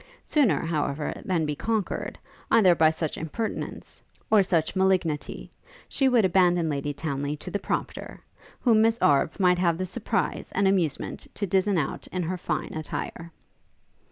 Sooner, however, than be conquered, either by such impertinence, or such malignity, she would abandon Lady Townly to the prompter, whom Miss Arbe might have the surprise and amusement to dizen out in her fine attire.